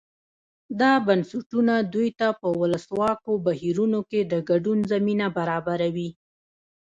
دا بنسټونه دوی ته په ولسواکو بهیرونو کې د ګډون زمینه برابروي.